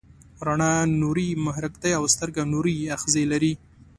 رڼا نوري محرک ده او سترګه نوري آخذې لري.